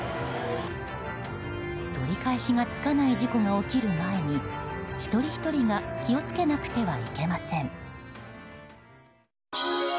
取り返しがつかない事故が起きる前に一人ひとりが気を付けなくてはいけません。